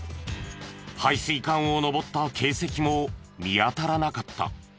排水管を登った形跡も見当たらなかった。